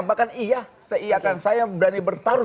bahkan iya seiakan saya berani bertaruh